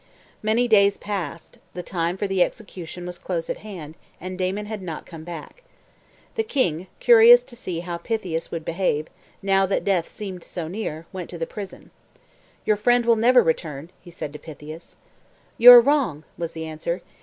Many days passed, the time for the execution was close at hand, and Damon had not come back. The king, curious to see how Pythias would behave, now that death seemed so near, went to the prison. "Your friend will never return," he said to Pythias. "You are wrong," was the answer.